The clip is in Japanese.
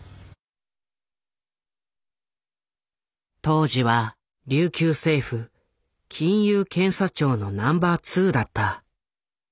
当時は琉球政府金融検査庁のナンバー２だった。